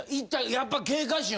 やっぱ。